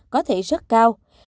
có thể rất cao